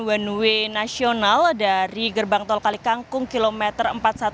one way nasional dari gerbang tol kalikangkung kilometer empat ratus sepuluh